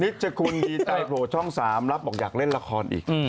นิจฉุนที่ไตโปรช่อง๓รับบอกอยากเล่นละครอีก